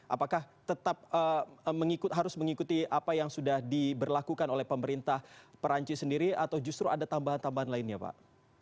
apakah tetap harus mengikuti apa yang sudah diberlakukan oleh pemerintah perancis sendiri atau justru ada tambahan tambahan lainnya pak